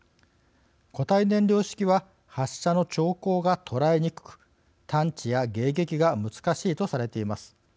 固体燃料式は発射の兆候が捉えにくく探知や迎撃が難しいとされています。